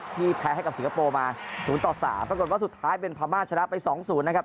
ที่แพ้ให้กับสิงคโปร์มาศูนย์ต่อสามปรากฏว่าสุดท้ายเป็นพม่าชนะไปสองศูนย์นะครับ